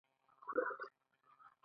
ښه ماشوم همېشه سلام وايي.